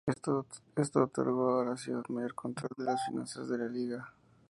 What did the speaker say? Esto otorgó a la ciudad mayor control de las finanzas de la liga.